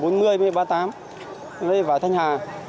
đây là vải thanh hà